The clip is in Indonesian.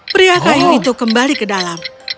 pria kayu itu kembali ke dalam